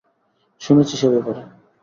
শুনেছি সে ব্যাপারে।